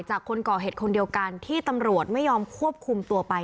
คนก่อเหตุคนเดียวกันที่ตำรวจไม่ยอมควบคุมตัวไป